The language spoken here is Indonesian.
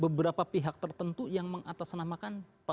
beberapa pihak tertentu yang mengatasnamakan